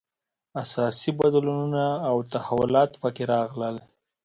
اساسي بدلونونه او تحولات په کې راغلل.